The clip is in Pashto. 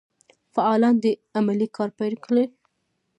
فعالان دي عملي کار پیل کړي.